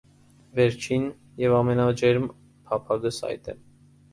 Վերջին և ամենաջերմ փափագս այդ է: